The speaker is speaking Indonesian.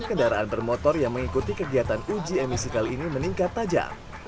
kendaraan bermotor yang mengikuti kegiatan uji emisi kali ini meningkat tajam